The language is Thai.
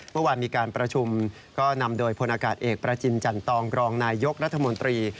เมื่อวานมีการประชุมก็นำโดยพลอากาศเอกประจินจันตองกรองนายยกรัฐมนตรี